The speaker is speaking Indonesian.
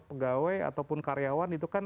pegawai ataupun karyawan itu kan